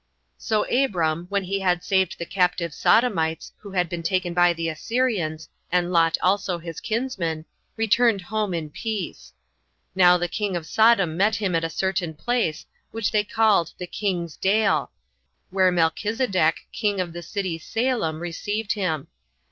2. So Abram, when he had saved the captive Sodomites, who had been taken by the Assyrians, and Lot also, his kinsman, returned home in peace. Now the king of Sodom met him at a certain place, which they called The King's Dale, where Melchisedec, king of the city Salem, received him.